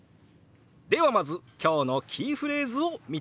ではまず今日のキーフレーズを見てみましょう。